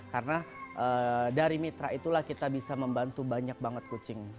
karena dari mitra itulah kita bisa membantu banyak banget kucing